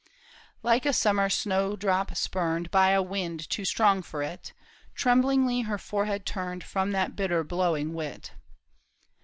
Like a summer snowdrop spurned By a wind too strong for it. Tremblingly her forehead turned From that bitter blowing wit.